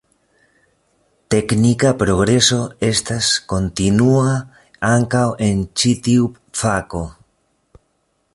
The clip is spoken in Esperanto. Teknika progreso estas kontinua ankaŭ en ĉi tiu fako.